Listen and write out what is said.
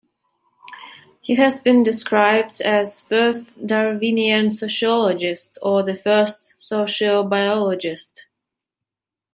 He has been described as "first Darwinian sociologist" or "the first sociobiologist".